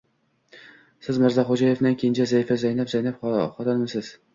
— Siz Mirzaxo‘jaboyni kenja zaifasi... Zaynab... Zaynab xotinmisiz?